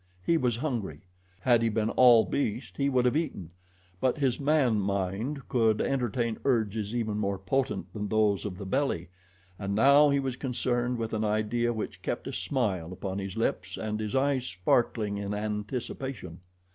He was hungry. Had he been all beast he would have eaten; but his man mind could entertain urges even more potent than those of the belly, and now he was concerned with an idea which kept a smile upon his lips and his eyes sparkling in anticipation.